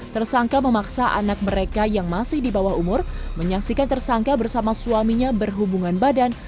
tersangka memaksa anak mereka yang masih di bawah umur menyaksikan tersangka bersama suaminya berhubungan badan